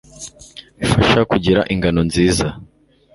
bifasha kugira ingano nziza